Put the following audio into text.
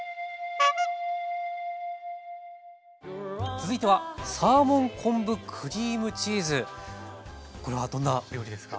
続いてはこれはどんな料理ですか？